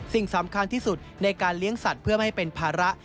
สิ่งสำคัญที่สุดในการเลี้ยงสัตว์เพื่อไม่ให้เป็นภาระ